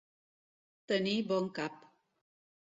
Tenir bon cap.